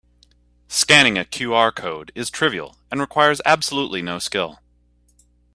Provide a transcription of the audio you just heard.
Scanning a QR code is trivial and requires absolutely no skill.